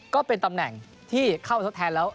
ก็เป็นตำแหน่งที่เข้าทดแทนแล้ว